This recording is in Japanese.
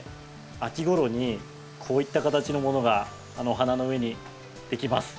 秋ごろにこういった形のものがお花の上にできます。